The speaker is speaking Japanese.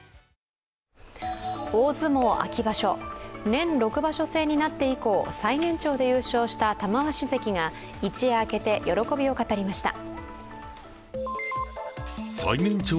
大相撲秋場所、年６場所制になって以降最年長で優勝した玉鷲関が一夜明けて、喜びを語りました。